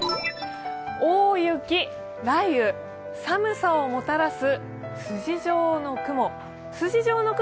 大雪、雷雨、寒さをもたらす筋状の雲。